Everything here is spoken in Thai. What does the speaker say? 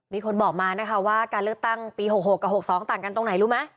มีคนบอกมานะคะว่าการเลือกตั้งปี๖๖กับ๖๒ต่างกันตรงไหนรู้ไหม